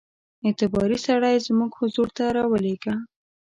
اعتباري سړی زموږ حضور ته را ولېږه.